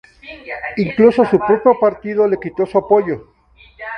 Incluso su propio partido le quitó su apoyo.